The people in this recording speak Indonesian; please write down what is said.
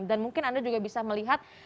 dan mungkin anda juga bisa melihat